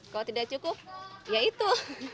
kalau tidak cukup ya itu